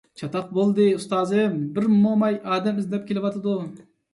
چاتاق بولدى، ئۇستازىم، بىر موماي ئادەم ئىزدەپ كېلىۋاتىدۇ!